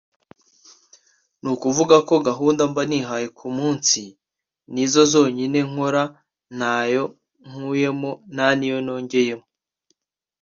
ni ukuvuga ko gahunda mba nihaye ku munsi nizo zonyine nkora ntayo nkuyemo nta n’iyo nongeyemo